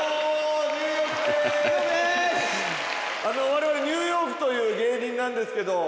我々ニューヨークという芸人なんですけど。